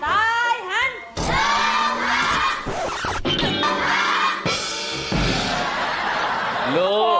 ตายหันลูกค้า